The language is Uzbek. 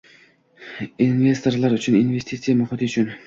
Investorlar uchun, investitsiya muhiti uchun